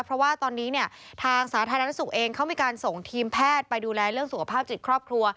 เพราะว่าตอนนี้เนี่ยทางสาธารณสุขเองเขามีการส่งทีมแพทย์ไปดูแลเรื่องสุขภาพจิตครอบครัว